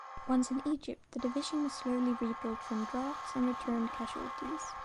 Once in Egypt the division was slowly rebuilt from drafts and returned casualties.